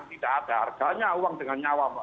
tidak ada harganya uang dengan nyawa mbak